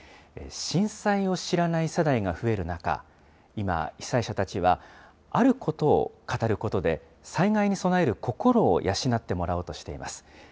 震災を知らない世代が増える中、今、被災者たちはあることを語ることで、災害に備える心を養ってもらおうとしています。